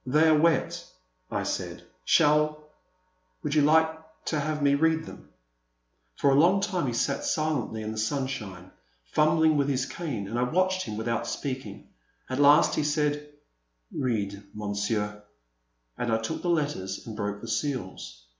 They are wet, I said ;shall — would you like to have me read them ?For a long time he sat silently in the sunshine, fumbling with his cane, and I watched him without speaking. At last he said, Read, Monsieur," and I took the letters and broke the seals.